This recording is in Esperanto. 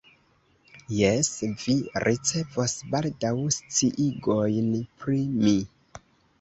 Jes, vi ricevos baldaŭ sciigojn pri mi.